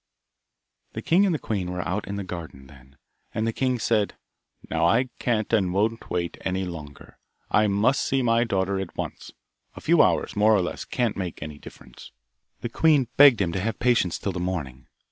The king and the queen were out in the garden then, and the king said, 'Now I can't and I won't wait any longer. I must see my daughter at once. A few hours, more or less, can't make any difference.' The queen begged him to have patience till the morning.